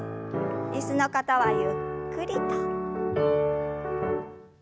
椅子の方はゆっくりと。